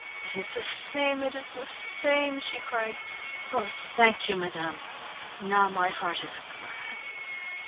"It is the same, it is the same!" she cried. "Oh, thank you, madame! Now my heart is glad...."